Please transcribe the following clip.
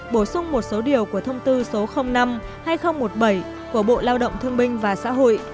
bổ sung một số điều của thông tư số năm hai nghìn một mươi bảy của bộ lao động thương binh và xã hội